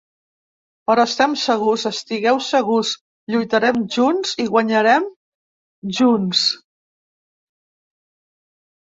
Però estem segurs, estigueu segurs: lluitarem junts i guanyarem junts.